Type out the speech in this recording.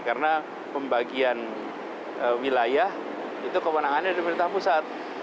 karena pembagian wilayah itu kewenangannya dari pemerintah pusat